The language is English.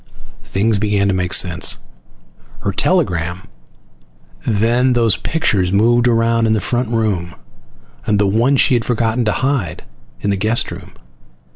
Things began to make sense. Her telegram, then those pictures moved around in the front room, and the one she had forgotten to hide, in the guest room.